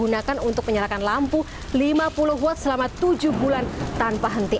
gunakan untuk menyalakan lampu lima puluh watt selama tujuh bulan tanpa henti